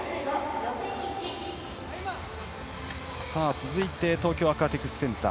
続いて東京アクアティクスセンター